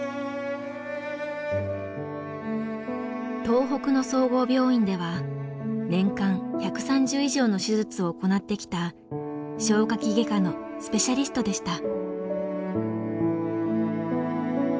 東北の総合病院では年間１３０以上の手術を行ってきた消化器外科のスペシャリストでした。